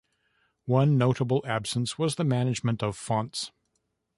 One notable absence was the managements of Fonts.